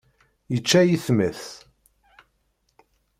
Yečča ayetma-s.